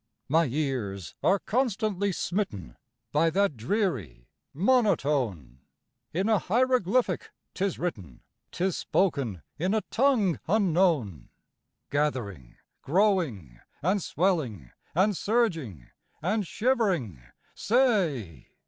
My ears are constantly smitten by that dreary monotone, In a hieroglyphic Ætis written,Æ tis spoken in a tongue unknown; Gathering, growing, and swelling, and surging, and shivering, say!